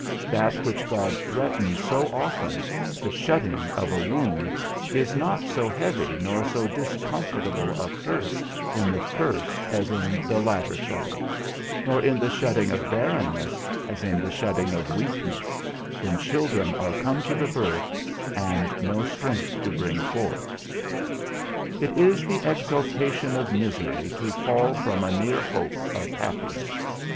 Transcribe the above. That which God threatens so often, the shutting of a womb, is not so heavy nor so discomfortable a curse in the first as in the latter shutting, nor in the shutting of barrenness as in the shutting of weakness, when children are come to the birth, and no strength to bring forth. It is the exaltation of misery to fall from a near hope of happiness.